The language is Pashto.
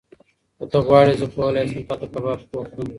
که ته غواړې، زه کولی شم تاته کباب پخ کړم.